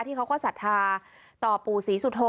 เขาก็ศรัทธาต่อปู่ศรีสุโธ